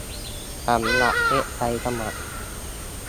สำหรับเว็บไซต์สมัคร